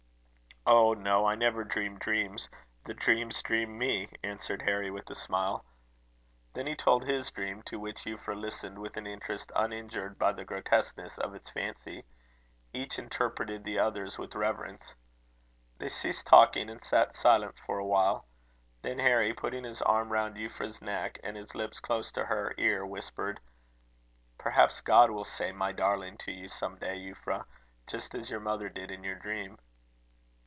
"Oh, no, I never dream dreams; the dreams dream me," answered Harry, with a smile. Then he told his dream, to which Euphra listened with an interest uninjured by the grotesqueness of its fancy. Each interpreted the other's with reverence. They ceased talking; and sat silent for a while. Then Harry, putting his arms round Euphra's neck, and his lips close to her ear, whispered: "Perhaps God will say my darling to you some day, Euphra; just as your mother did in your dream."